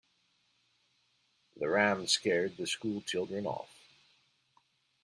The ram scared the school children off.